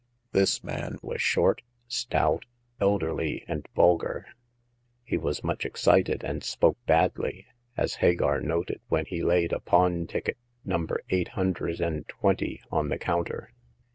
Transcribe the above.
This man was short, stout, elderly and vulgar. He was much excited, and spoke badly, as Hagar noted when he laid a pawn ticket number eight hundred and twenty on the counter.